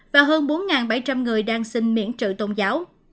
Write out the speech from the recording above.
và hơn bốn bảy trăm linh người đang xin miễn trợ tôn giáo